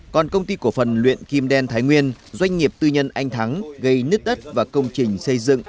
còn công ty cổ phần luyện kim đen thái nguyên doanh nghiệp tư nhân anh thắng gây nứt đất và công trình xây dựng